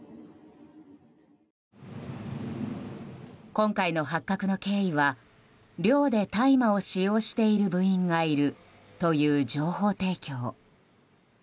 今回の発覚の経緯は寮で大麻を使用している部員がいるという情報提供。